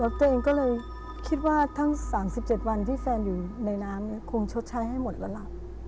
แล้วตัวเองก็เลยคิดว่าทั้ง๓๗วันที่แฟนอยู่ในน้ำเนี่ยคงชดใช้ให้หมดแล้วล่ะ